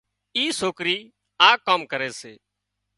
اي سوڪرِي آ ڪام ڪري سي